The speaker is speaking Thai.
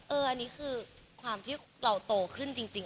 อันนี้คือความที่เราโตขึ้นจริง